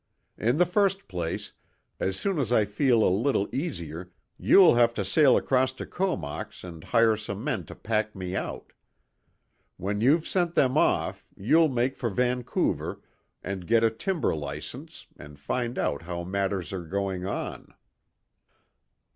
"In the first place, as soon as I feel a little easier, you'll have to sail across to Comox and hire some men to pack me out. When you've sent them off, you'll make for Vancouver, and get a timber licence and find out how matters are going on."